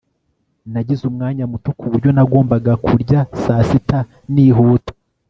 Nagize umwanya muto kuburyo nagombaga kurya saa sita nihuta